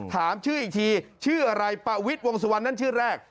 ถามชื่ออีกทีชื่ออะไรปวิศวงศ์สวรรค์นั่นชื่อแรก